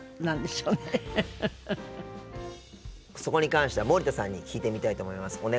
そこに関しては森田さんに聞いてみたいと思います。